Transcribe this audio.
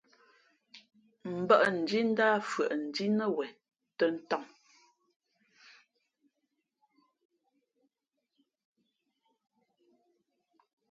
Mbᾱʼndhǐ ndǎh fʉαʼndhǐ nά wen tᾱ tām.